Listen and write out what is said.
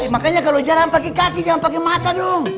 makanya kalo jalan pake kaki jangan pake mata dong